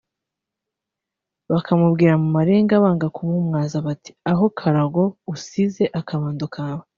bakamubwira mu marenga banga kumumwaza bati “Aho karago usize akabando kawe